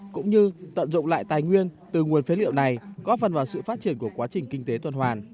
cũng như tận dụng lại tài nguyên từ nguồn phế liệu này góp phần vào sự phát triển của quá trình kinh tế tuần hoàn